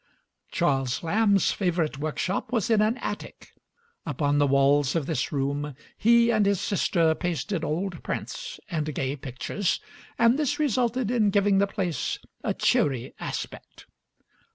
Charles Lamb's favorite workshop was in an attic; upon the walls of this room he and his sister pasted old prints and gay pictures, and this resulted in giving the place a cheery aspect.